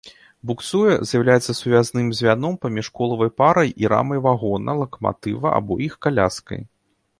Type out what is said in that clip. Буксуе з'яўляецца сувязным звяном паміж колавай парай і рамай вагона, лакаматыва або іх каляскай.